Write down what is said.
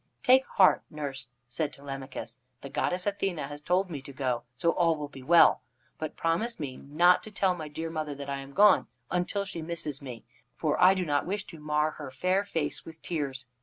"Take heart, nurse," said Telemachus. "The goddess Athene has told me to go, so all will be well. But promise me not to tell my dear mother that I am gone until she misses me. For I do not wish to mar her fair face with tears."